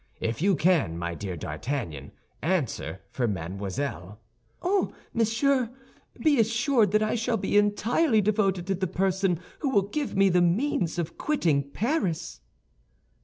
If you can, my dear D'Artagnan, answer for Mademoiselle—" "Oh, monsieur, be assured that I shall be entirely devoted to the person who will give me the means of quitting Paris."